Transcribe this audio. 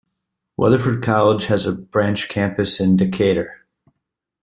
Weatherford College has a branch campus in Decatur.